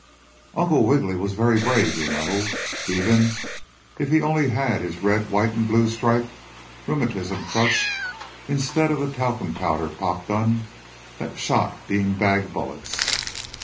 Uncle Wiggily was very brave, you know, even if he only had his red, white and blue striped rheumatism crutch instead of the talcum powder popgun that shot bean bag bullets.